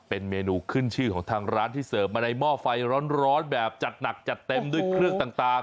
เป็นเมนูขึ้นชื่อของทางร้านที่เสิร์ฟมาในหม้อไฟร้อนแบบจัดหนักจัดเต็มด้วยเครื่องต่าง